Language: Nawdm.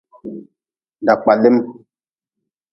Dakpalim.